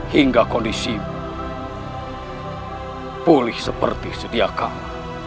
hingga kondisimu pulih seperti sediakamu